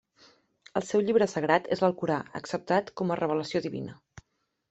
El seu llibre sagrat és l'Alcorà, acceptat com a revelació divina.